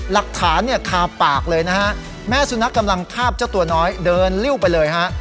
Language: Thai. หลักฐานเนี่ยคาปากเลยนะฮะแม่สุนัขกำลังคาบเจ้าตัวน้อยเดินริ้วไปเลยฮะ